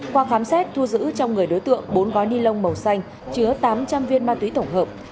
qua khám xét thu giữ trong người đối tượng bốn gói ni lông màu xanh chứa tám trăm linh viên ma túy tổng hợp